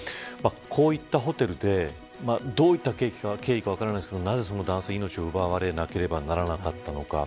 こういったホテルでどういった経緯か分からないですけどなぜその男性は命を奪われなければならなかったのか。